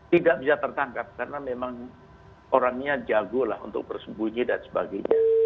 tidak bisa tertangkap karena memang orangnya jago lah untuk bersembunyi dan sebagainya